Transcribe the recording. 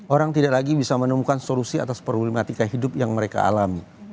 orang tidak lagi bisa menemukan solusi atas problematika hidup yang mereka alami